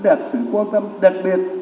đã đạt sự quan tâm đặc biệt